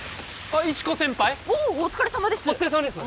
おおお疲れさまです